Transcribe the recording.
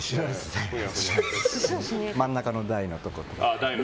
真ん中の台のところで。